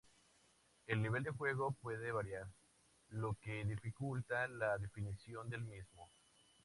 El nivel de juego puede variar, lo que dificulta la definición del mismo.